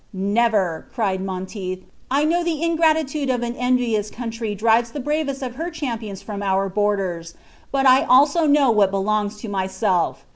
"Never," cried Monteith; "I know the ingratitude of an envious country drives the bravest of her champions from our borders, but I also know what belongs to myself!